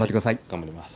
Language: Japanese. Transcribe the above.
頑張ります。